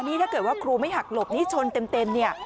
นี่ถ้าเกิดว่าครูไม่หักหลบนี่ชนเต็มเนี่ย